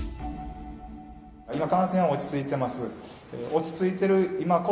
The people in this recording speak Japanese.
今、感染は落ち着いてます。